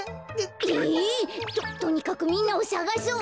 えっ！？ととにかくみんなをさがそう。